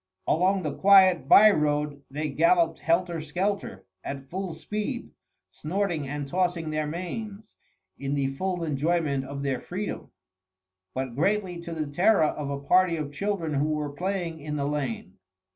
Along the quiet by road they galloped helter skelter, at full speed, snorting and tossing their manes in the full enjoyment of their freedom, but greatly to the terror of a party of children who were playing in the lane.